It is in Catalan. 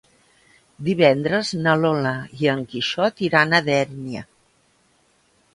Divendres na Lola i en Quixot iran a Dénia.